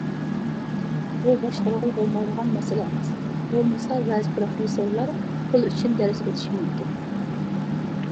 بۇ باشقۇرغىلى بولمايدىغان مەسىلە ئەمەس، بولمىسا بەزى پىروفېسسورلار پۇل ئۈچۈن دەرس ئۆتۈشى مۇمكىن.